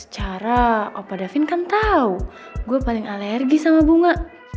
karena opa davin kan tau gue paling alergi sama bunga